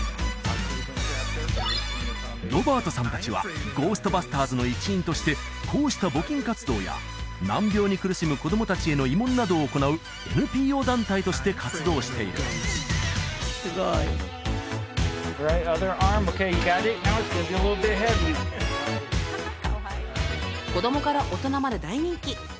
ロバートさん達はゴーストバスターズの一員としてこうした募金活動や難病に苦しむ子供達への慰問などを行うＮＰＯ団体として活動している子供から大人まで大人気！